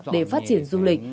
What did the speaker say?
để phát triển du lịch